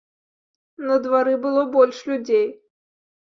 На двары было больш людзей.